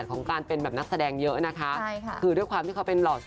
ส่งพี่ออยด้วยกัน